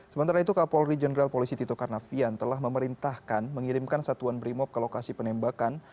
sementara itu kapolri jenderal polisi tito karnavian telah memerintahkan mengirimkan satuan brimob ke lokasi penembakan